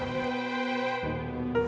masih ada yang nungguin